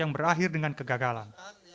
yang berakhir dengan kegagalan